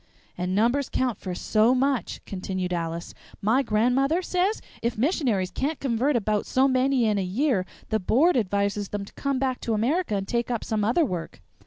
"And numbers count for so much," continued Alice. "My grandmother says if missionaries can't convert about so many in a year the Board advises them to come back to America and take up some other work."